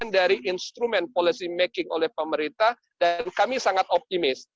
dari instrumen policy making oleh pemerintah dan kami sangat optimis